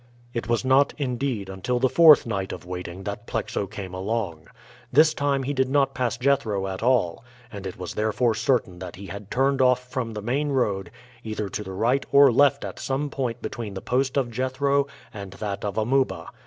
It was not, indeed, until the fourth night of waiting that Plexo came along. This time he did not pass Jethro at all, and it was therefore certain that he had turned off from the main road either to the right or left at some point between the post of Jethro and that of Amuba.